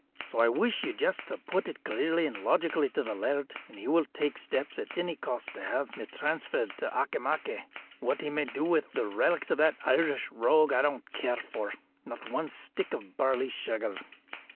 So I wish you just to put it clearly and logically to the laird, and he will take steps, at any cost, to have me transferred to Auchimachie. What he may do with the relics of that Irish rogue I don't care for, not one stick of barley sugar."